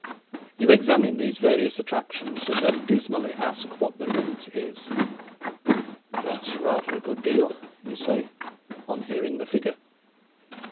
You examine these various attractions and then dismally ask what the rent is. "That's rather a good deal," you say on hearing the figure.